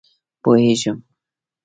پوهېږم.